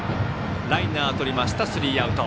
ライナーとりましたスリーアウト。